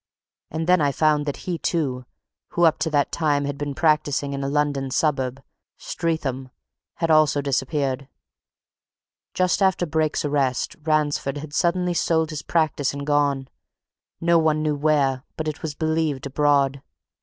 And then I found that he, too, who up to that time had been practising in a London suburb Streatham had also disappeared. Just after Brake's arrest, Ransford had suddenly sold his practice and gone no one knew where, but it was believed abroad.